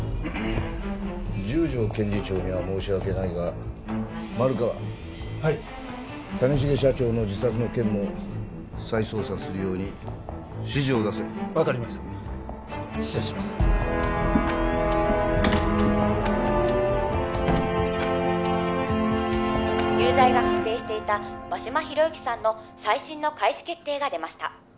十条検事長には申し訳ないが丸川はい谷繁社長の自殺の件も再捜査するように指示を出せ分かりました失礼します有罪が確定していた真島博之さんの再審の開始決定が出ました